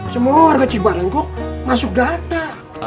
semua warga cibarengkok masuk data